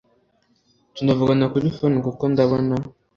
tunavugana kuri phone kuko ndabona